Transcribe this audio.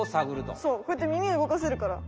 そうこうやってみみ動かせるから。